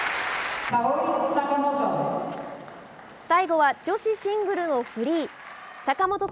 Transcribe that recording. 最後は、女子シングルのフリー。